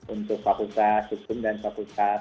untuk fakultas hukum dan fakultas